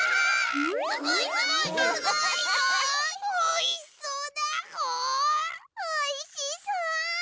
おいしそうだぐ！おいしそ！